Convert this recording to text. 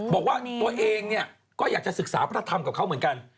บอกว่าตัวเองเนี่ยก็อยากจะศึกษาพระธรรมกับเขาเหมือนกัน